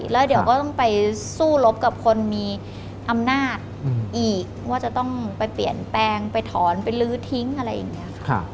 แล้วเดี๋ยวก็ต้องไปสู้รบกับคนมีอำนาจอีกว่าจะต้องไปเปลี่ยนแปลงไปถอนไปลื้อทิ้งอะไรอย่างนี้ค่ะ